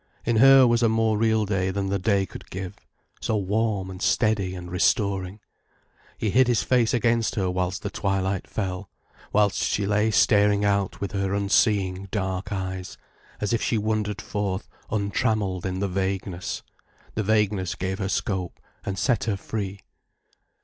In her was a more real day than the day could give: so warm and steady and restoring. He hid his face against her whilst the twilight fell, whilst she lay staring out with her unseeing dark eyes, as if she wandered forth untrammelled in the vagueness. The vagueness gave her scope and set her free.